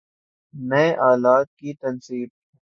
نئے آلات کی تنصیب